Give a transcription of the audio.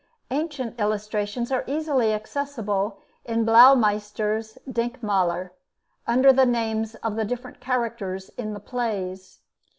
Ancient illustrations are easily accessible in Baumeister's 'Denkmäler,' under the names of the different characters in the plays.